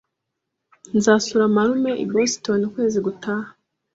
Nzasura marume i Boston ukwezi gutaha